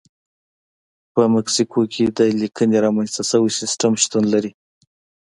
په مکسیکو کې د لیکنې رامنځته شوی سیستم شتون لري.